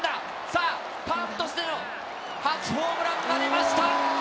さあ、カープとしての初ホームランが入りました。